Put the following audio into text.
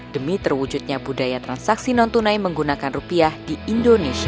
demi terwujudnya budaya transaksi non tunai menggunakan rupiah di indonesia